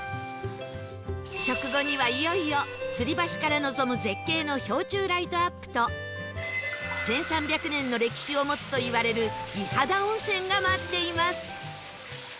食後にはいよいよ吊り橋から望む絶景の氷柱ライトアップと１３００年の歴史を持つといわれる美肌温泉が待っています